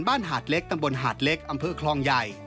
หาดเล็กตำบลหาดเล็กอำเภอคลองใหญ่